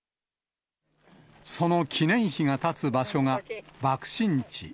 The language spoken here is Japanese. その記念碑が建つ場所が爆心地。